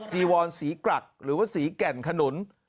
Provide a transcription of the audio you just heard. จีวอนสีกรักหรือว่าสีแก่นขนุน